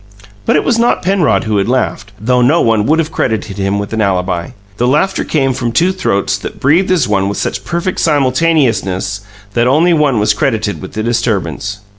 But it was not Penrod who had laughed, though no one would have credited him with an alibi. The laughter came from two throats that breathed as one with such perfect simultaneousness that only one was credited with the disturbance.